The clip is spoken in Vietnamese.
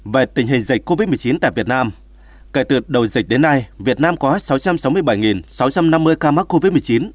về tình hình dịch covid một mươi chín tại việt nam kể từ đầu dịch đến nay việt nam có sáu trăm sáu mươi bảy sáu trăm năm mươi ca mắc covid một mươi chín